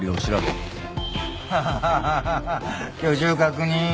ハハハハッ居住確認。